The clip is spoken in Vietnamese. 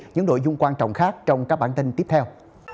những nội dung quan trọng khác trong các bản tin tiếp theo